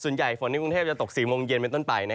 ฝนในกรุงเทพจะตก๔โมงเย็นเป็นต้นไป